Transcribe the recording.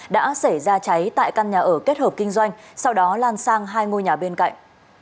đã xảy ra cháy tại căn nhà ở kết hợp kinh doanh sau đó lan sang hai ngôi nhà bên cạnh